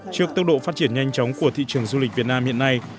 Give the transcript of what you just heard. trước tốc độ phát triển nhanh chóng của thị trường du lịch việt nam hiện nay